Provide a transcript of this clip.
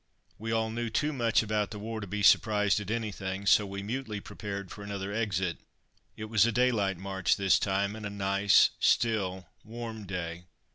We all knew too much about the war to be surprised at anything, so we mutely prepared for another exit. It was a daylight march this time, and a nice, still, warm day.